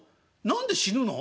何で死ぬの？